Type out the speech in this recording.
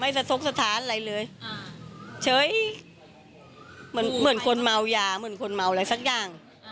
ไม่ไม่สะสกสะทานอะไรเลยเฉยเหมือนคนเมาหยาเหมือนคนเมาอะไรสักอย่าง